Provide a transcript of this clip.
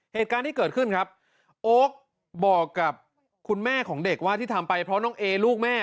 เหตุการณ์ที่เกิดขึ้นครับโอ๊คบอกกับคุณแม่ของเด็กว่าที่ทำไปเพราะน้องเอลูกแม่